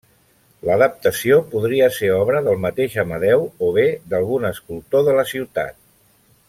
L'adaptació podria ser obra del mateix Amadeu, o bé d'algun escultor de la ciutat.